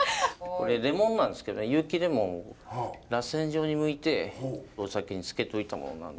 これレモンなんですけど有機レモンを螺旋状にむいてお酒に漬けといたものなんですけども。